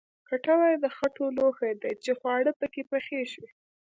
کټوه د خټو لوښی دی چې خواړه پکې پخیږي